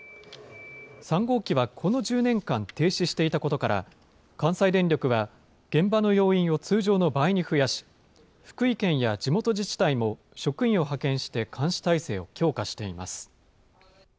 ３号機はこの１０年間停止していたことから、関西電力は、現場の要員を通常の倍に増やし、福井県や地元自治体も、職員を派遣して監視態勢を強化しています。